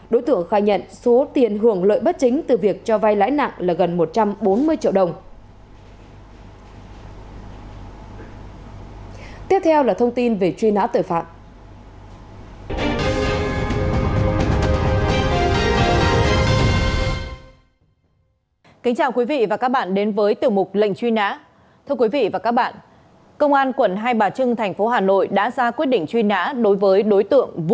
đối tượng khai nhận số tiền hưởng lợi bất chính từ việc cho vay lãi nặng là gần một trăm bốn mươi triệu đồng